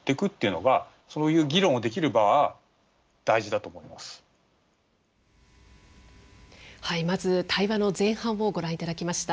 やっぱりまず対話の前半をご覧いただきました。